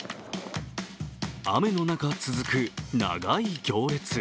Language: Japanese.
雨の中、続く長い行列。